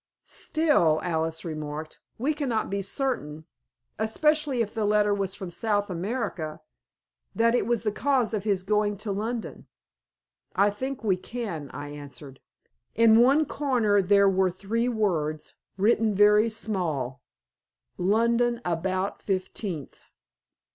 "Still," Alice remarked, "we cannot be certain especially if the letter was from South America that it was the cause of his going to London." "I think we can," I answered. "In one corner there were three words, written very small "London about fifteenth."